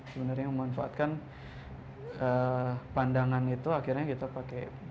sebenarnya memanfaatkan pandangan itu akhirnya kita pakai